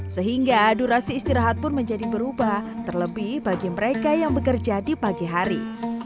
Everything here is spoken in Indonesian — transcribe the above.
sehingga durasi istirahat pun menjadi berubah terlebih bagi mereka yang bekerja di pagi hari